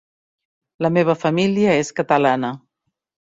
La meva família és catalana.